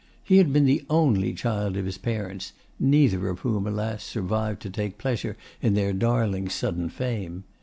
He had been the only child of his parents (neither of whom, alas, survived to take pleasure in their darling's sudden fame).